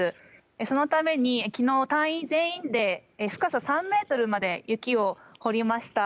そのために昨日、隊員全員で深さ３ｍまで雪を掘りました。